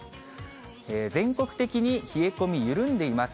全国的に冷え込み緩んでいます。